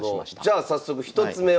じゃあ早速１つ目は？